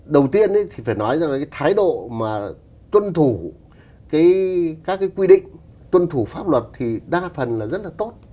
đầu tiên thì phải nói rằng là cái thái độ mà tuân thủ các cái quy định tuân thủ pháp luật thì đa phần là rất là tốt